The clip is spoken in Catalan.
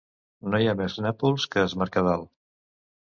No hi ha més Nàpols que es Mercadal.